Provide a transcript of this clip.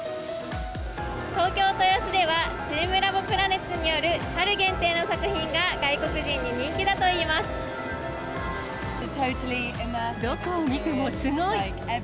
東京・豊洲では、チームラボプラネッツによる春限定の作品が外国人に人気だといいどこを見てもすごい。